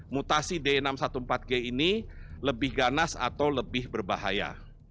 mutasi d enam ratus empat belas g ini lebih ganas atau lebih berbahaya